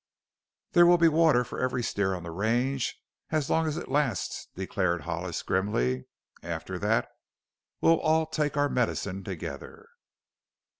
"There will be water for every steer on the range as long as it lasts," declared Hollis grimly. "After that we'll all take our medicine together."